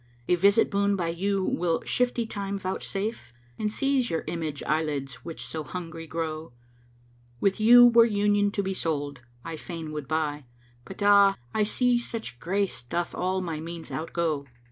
A visit boon by you will shifty Time vouchsafe? * And seize your image eye lids which so hungry grow? With you were Union to be sold, I fain would buy; * But ah, I see such grace doth all my means outgo!"